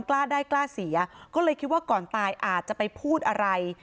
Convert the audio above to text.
กล้าได้กล้าเสียก็เลยคิดว่าก่อนตายอาจจะไปพูดอะไร